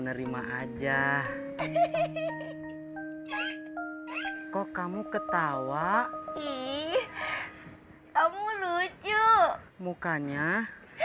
tapi takut mas pur marah